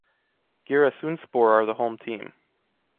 Giresunspor are the home team.